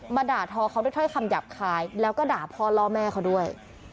ด่าทอเขาด้วยถ้อยคำหยาบคายแล้วก็ด่าพ่อล่อแม่เขาด้วย